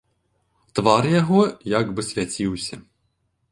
Твар яго як бы свяціўся.